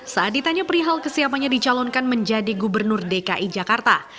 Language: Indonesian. saat ditanya perihal kesiapannya dicalonkan menjadi gubernur dki jakarta